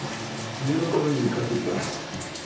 念のために買ってきた。